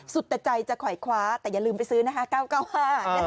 สุดแต่ใจจะขวายคว้าแต่อย่าลืมไปซื้อนะคะ๙๙๕นะคะ